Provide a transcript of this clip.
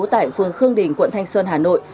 tại phường khương đình quận thanh xuân hà nội